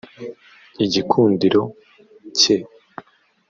Igikundiro cye